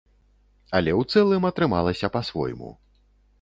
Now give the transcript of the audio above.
Але ў цэлым, атрымалася па-свойму.